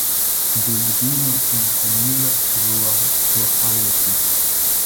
Bilibino is the nearest rural locality.